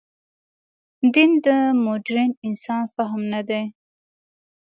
دین د مډرن انسان فهم نه دی.